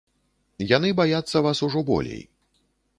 Яны баяцца вас ужо болей.